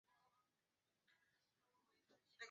腓力二世和著名的亚历山大大帝均出自这个王朝。